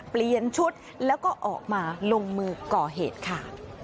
เปลี่ยนชุดแล้วก็ออกมาลงมือก่อเหตุค่ะ